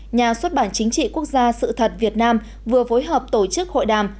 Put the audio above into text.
nhà xuất bản chính trị quốc gia sự thật việt nam vừa phối hợp tổ chức hội đàm